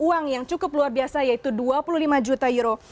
uang yang cukup luar biasa yaitu dua puluh lima juta euro